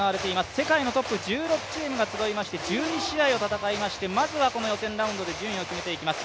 世界のトップ１６チームが集いまして１２試合を戦いまして、まずはこの予選ラウンドで順位を決めていきます。